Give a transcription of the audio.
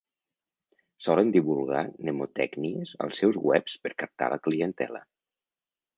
Solen divulgar mnemotècnies als seus webs per captar la clientela.